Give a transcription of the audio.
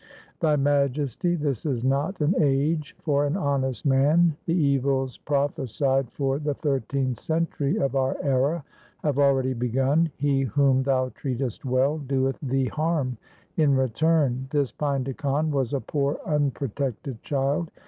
Thy majesty, this is not an age for an honest man. The evils prophesiea 02 196 THE SIKH RELIGION for the thirteenth century 1 of our era have already begun. He whom thou treatest well doeth thee harm in return. This Painda Khan was a poor unprotected child.